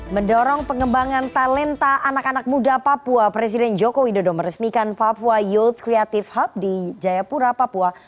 mendorong pengembangan talenta anak anak muda papua presiden joko widodo meresmikan papua youth creative hub di jayapura papua